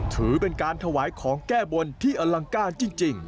ถือเป็นการถวายของแก้บนที่อลังการจริง